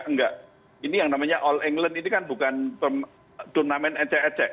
enggak ini yang namanya all england ini kan bukan turnamen ecek ecek